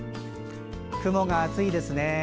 雲が厚いですね。